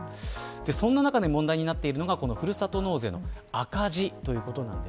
そんな中で問題になっているのがふるさと納税の赤字です。